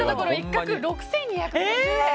１個６２５０円。